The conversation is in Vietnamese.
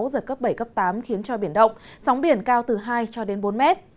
giật cấp bảy tám khiến cho biển động sóng biển cao từ hai bốn m